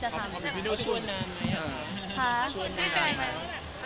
ห้องโตไหมคะห้องโตไหมคะ